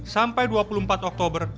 sampai dua puluh empat oktober